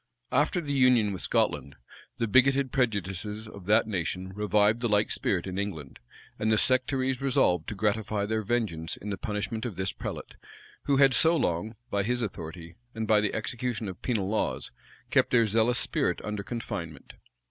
After the union with Scotland, the bigoted prejudices of that nation revived the like spirit in England; and the sectaries resolved to gratify their vengeance in the punishment of this prelate, who had so long, by his authority, and by the execution of penal laws, kept their zealous spirit under confinement.